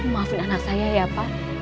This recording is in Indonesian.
maafin anak saya ya pak